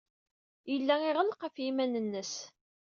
Yella iɣelleq ɣef yiman-nnes.